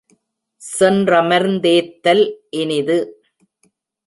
சென்றமர்ந் தேத்தல் இனிது.